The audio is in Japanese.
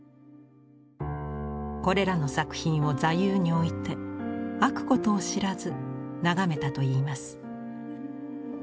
これらの作品を座右に置いて飽くことを知らず眺めたといいます。